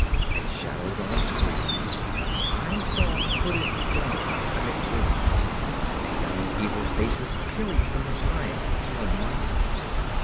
And shadowed on a screen, I saw hooded forms amidst ruins, and yellow evil faces peering from behind fallen monuments.